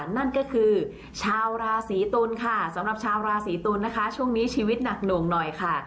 นั่นก็คือชาวราศีตุลค่ะสำหรับชาวราศีตุลนะคะช่วงนี้ชีวิตหนักหน่วงหน่อยค่ะ